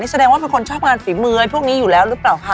แสดงว่าเป็นคนชอบงานฝีมือพวกนี้อยู่แล้วหรือเปล่าคะ